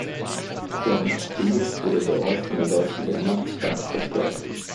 Während des Krieges wurde der Ort von der deutschen Wehrmacht stark zerstört.